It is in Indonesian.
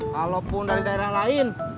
kalaupun dari daerah lain